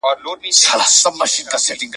په کورني تدریس کي ناسم عادتونه نه هڅول کېږي.